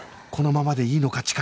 このままでいいのか？